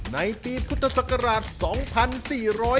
ในปีพุทธศักราช๒๔๕